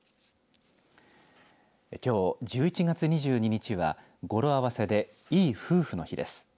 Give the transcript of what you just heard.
きょう１１月２２日は語呂合わせでいい夫婦の日です。